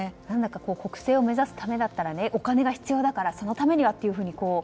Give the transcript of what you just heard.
国政を目指すためだったらお金が必要だからそのためにはというふうに。